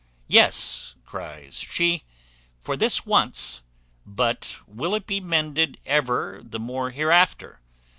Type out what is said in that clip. "Yes," cries she, "for this once; but will it be mended ever the more hereafter?